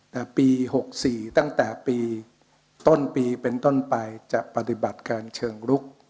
แต่ปี๖๔ตั้งแต่ปีต้นปีเป็นต้นไปจะปฏิบัติการเชิงรุก